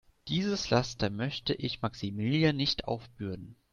Dieses Laster möchte ich Maximilian nicht aufbürden.